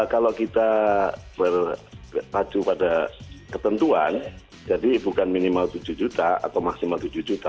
kalau kita berpacu pada ketentuan jadi bukan minimal tujuh juta atau maksimal tujuh juta